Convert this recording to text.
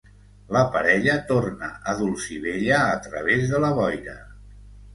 La parella torna a Dulcibella a través de la boira.